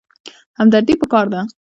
همدردي پکار ده